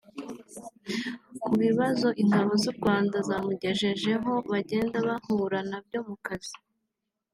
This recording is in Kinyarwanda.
Ku bibazo Ingabo z’u Rwanda zamugejejeho bagenda bahura na byo mu kazi